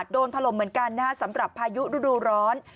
โดนทะลมเหมือนกันนะคะสำหรับพายุรุ่นร้อน